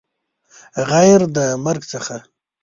غیر د مرګ څخه